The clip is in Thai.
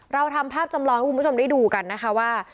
เราทำภาพจำลองให้คุณผู้ชมได้ดูกันนะคะว่า